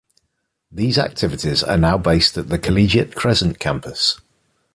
These activities are now based at the Collegiate Crescent Campus.